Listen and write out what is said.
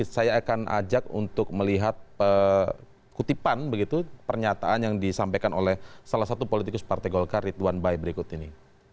saya akan ajak untuk melihat kutipan begitu pernyataan yang disampaikan oleh salah satu politikus partai golkar ridwan bay berikut ini